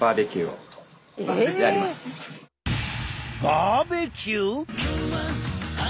バーベキュー！？